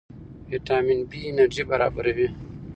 ویټامین بي انرژي برابروي.